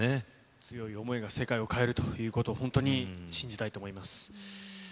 強い想いが世界を変えるということを、本当に信じたいと思います。